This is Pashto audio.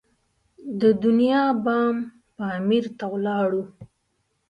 د دنیا بام پامیر ته ولاړو.